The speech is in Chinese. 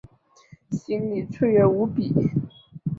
心里雀跃无比